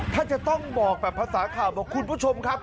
ถ้าจะต้องบอกแบบภาษาข่าวบอกคุณผู้ชมครับ